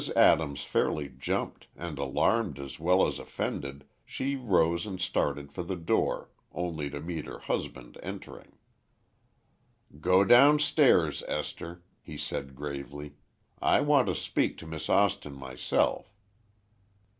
Adams fairly jumped, and alarmed as well as offended, she rose and started for the door, only to meet her husband entering. "Go downstairs, Esther," he said, gravely, "I want to speak to Miss Austin myself."